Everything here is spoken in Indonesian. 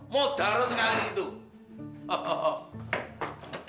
mau darah sekali tuh